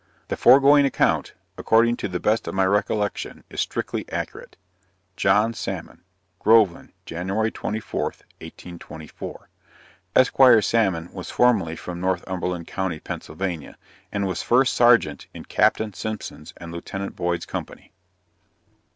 The foregoing account, according to the best of my recollection is strictly correct. JOHN SALMON. Groveland, January 24, 1824. Esq. Salmon was formerly from Northumberland county, Pennsylvania, and was first Serjeant in Capt. Simpson's and Lieut. Boyd's company.